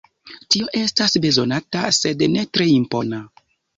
Tio estas bezonata, sed ne tre impona.